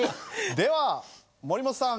では森本さん